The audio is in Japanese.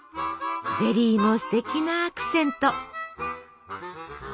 ゼリーもステキなアクセント。